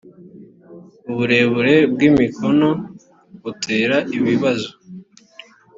uburebure bw imikono butera ibibzo